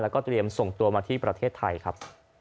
แล้วก็เตรียมส่งตัวมาที่ประเทศไทยครับ